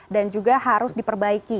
dan juga harus diperbaiki